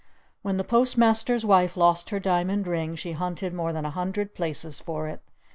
When the Post Master's Wife lost her diamond ring she hunted more than a hundred places for it!